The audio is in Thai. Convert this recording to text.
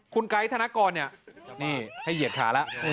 คุณไกซ์ธนกรให้เหยียดขาละ